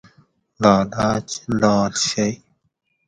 لالاچ لاڷ شئ